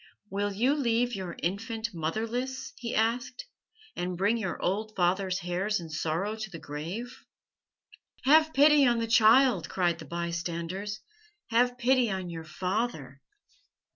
'Will you leave your infant motherless?' he asked, 'and bring your old father's hairs in sorrow to the grave?' "'Have pity on the child!' cried the bystanders. 'Have pity on your father!'